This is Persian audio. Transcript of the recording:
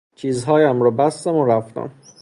چیزهایم را بستم و رفتم.